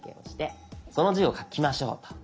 その字を書きましょうと。